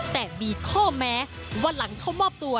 แต่มีข้อแม้ว่าหลังเข้ามอบตัว